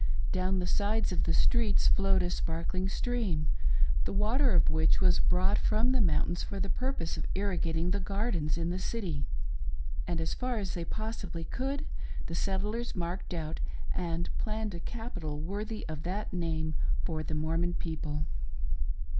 Down the sides of the streets flowed a sparkling stream — the water of which was brought from the mountains for the purpose of irrigating the gardens in the city ; and, as far as they possibly could, the settlers marked out and planned a capital worthy of that name for the Mor mon people.